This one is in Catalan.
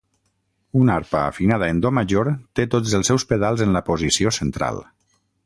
Una arpa afinada en do major té tots els seus pedals en la posició central.